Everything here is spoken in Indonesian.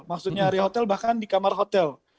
maksudnya area hotel bahkan di kamar hotel